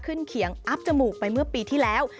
เขียงอัพจมูกไปเมื่อปีที่แล้ว